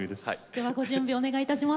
ではご準備お願いいたします。